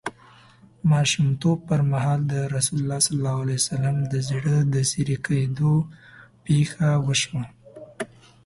ماشومتوب پر مهال رسول الله ﷺ د زړه د څیری کیدو پېښه وشوه.